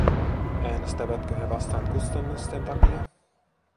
Äänestävätkö he vastaan kustannusten takia?